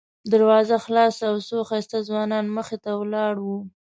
دروازه خلاصه او څو ښایسته ځوانان مخې ته ولاړ وو.